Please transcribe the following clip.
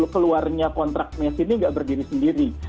keluarnya kontrak messi ini nggak berdiri sendiri